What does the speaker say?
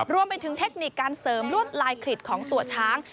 รวมไปถึงเทคนิคการเสริมลวดลายคลิดของตัวช้าง